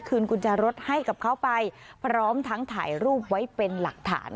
กุญแจรถให้กับเขาไปพร้อมทั้งถ่ายรูปไว้เป็นหลักฐาน